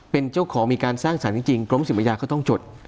เป็นเจ้าของมีการสร้างสารจริงกรมทรัพย์สินปัญญาเขาต้องจด